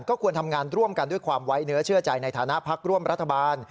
ควรทำงานร่วมกันด้วยความไว้เนื้อเชื่อใจในฐานะพักร่วมรัฐบาล